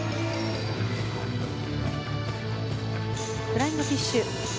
フライングフィッシュ。